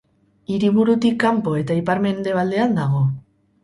Hiriburutik kanpo eta ipar-mendebaldean dago.